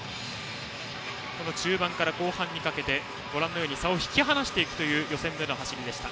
中盤から後半にかけて差を引き離していく予選での走りでした。